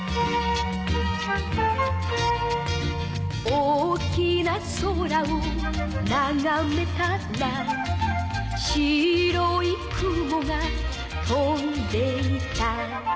「大きな空をながめたら」「白い雲が飛んでいた」